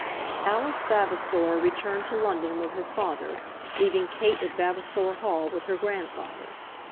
Alice Vavasor returned to London with her father, leaving Kate at Vavasor Hall with her grandfather.